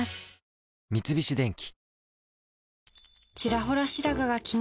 三菱電機